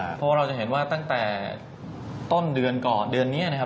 เพราะว่าเราจะเห็นว่าตั้งแต่ต้นเดือนก่อนเดือนนี้นะครับ